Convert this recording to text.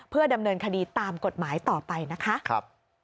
เพื่อดำเนินคดีตามกฎหมายต่อไปนะคะ